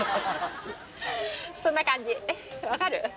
そんな感じ分かる？